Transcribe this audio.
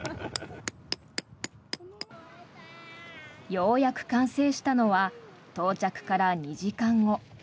ようやく完成したのは到着から２時間後。